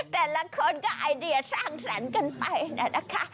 แต่ละคนก็ไอเดียสร้างสรรค์กันไปนะคะ